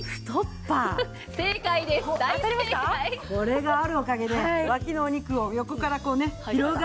これがあるおかげでわきのお肉を横からこうねっ？